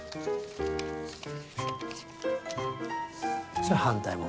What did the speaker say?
それ反対も。